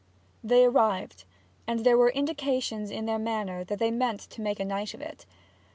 They arrived, and there were indications in their manner that they meant to make a night of it.